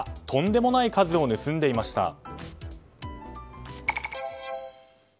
とんでもない数を盗んでいました。